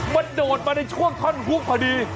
มันโดดมาในช่วงท่อนฮุกพอดี